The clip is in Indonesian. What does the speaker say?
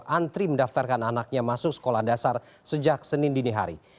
antri mendaftarkan anaknya masuk sekolah dasar sejak senin dinihari